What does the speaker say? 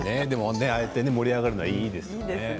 でもああやって盛り上がるのはいいですね。